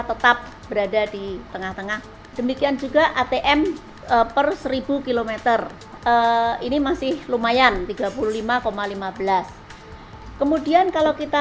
tetap berada di tengah tengah demikian juga atm per seribu km ini masih lumayan tiga puluh lima lima belas kemudian kalau kita